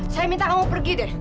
saya minta kamu pergi deh